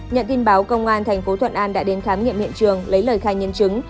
nhận tin báo công an thành phố thuận an đã đến khám nghiệm hiện trường lấy lời khai nhân chứng